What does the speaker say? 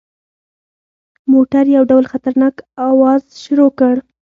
موټر یو ډول خطرناک اواز شروع کړ.